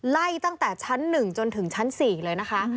ไล่ตั้งแต่ชั้น๑จนถึงชั้น๔เลยนะคะ